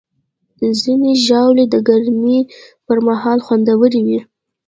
ځینې ژاولې د ګرمۍ پر مهال خوندورې وي.